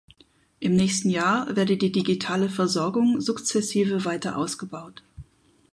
Im nächsten Jahr werde die digitale Versorgung sukzessive weiter ausgebaut.